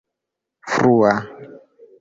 frua